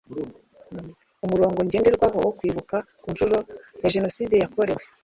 umurongo ngenderwaho wo kwibuka ku nshuro ya jenoside yakorewe